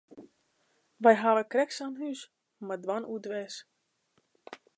Wy hawwe krekt sa'n hús, mar dan oerdwers.